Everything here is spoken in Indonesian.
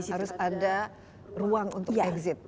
harus ada ruang untuk exit